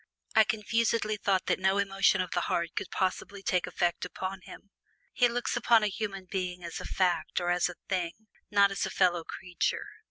I confusedly felt that no emotion of the heart could possibly take effect upon him. He looks upon a human being as a fact or as a thing, but not as a fellow creature.